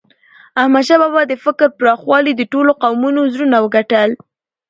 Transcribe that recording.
احمدشاه بابا د فکر پراخوالي د ټولو قومونو زړونه وګټل.